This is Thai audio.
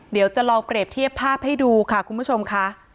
เดี๋ยวจะลองเปรียบเทียบภาพให้ดูค่ะคุณผู้ชมค่ะ